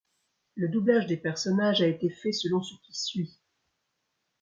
Le doublage des personnages a été fait selon ce qui suit.